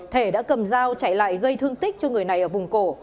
thể đã cầm dao chạy lại gây thương tích cho người này ở vùng cổ